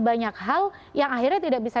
banyak hal yang akhirnya tidak bisa